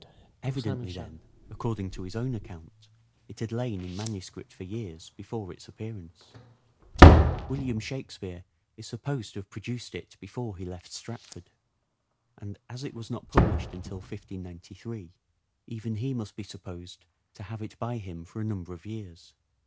Evidently then, according to his own account, it had lain in manuscript for years before its appearance. William Shakspere is supposed to have produced it before he left Stratford, and, as it was not published until 1593, even he must be supposed to have it by him for a number of years.